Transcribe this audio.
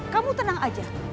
kamu tenang aja